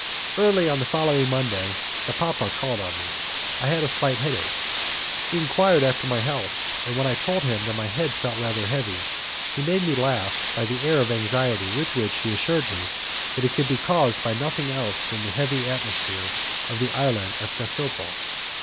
Early on the following Monday, the papa called on me. I had a slight headache; he enquired after my health, and when I told him that my head felt rather heavy, he made me laugh by the air of anxiety with which he assured me that it could be caused by nothing else than the heavy atmosphere of the island of Casopo.